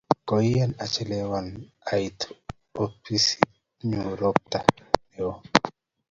Koian achelewan ait opisi nyu ropta ne oo